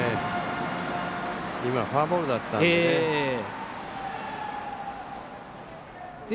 フォアボールだったんで。